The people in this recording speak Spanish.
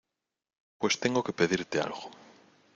pues tengo que pedirte algo.